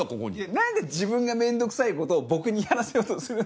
何で自分が面倒くさいことを僕にやらせようとするんですか？